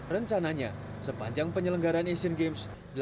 rencananya sepanjang penyelenggaran asian games